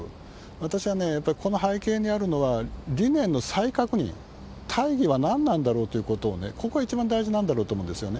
私はね、やっぱりこの背景にあるのは、理念の再確認、大義は何なんだろうということをね、ここが一番大事なんだろうと思うんですよね。